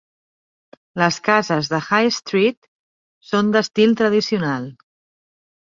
Les cases de High Street són d'estil tradicional.